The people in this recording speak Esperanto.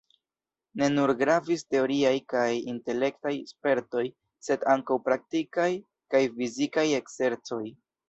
Ne nur gravis teoriaj kaj intelektaj spertoj sed ankaŭ praktikaj kaj fizikaj ekzercoj.